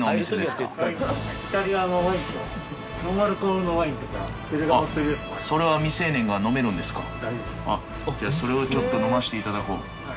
ではそれをちょっと、飲ませていただこう。